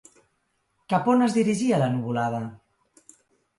Cap on es dirigia la nuvolada?